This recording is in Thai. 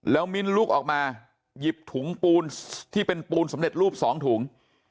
แล้วมิ้นลุกออกมาหยิบถุงปูนที่เป็นปูนสำเร็จรูป๒ถุง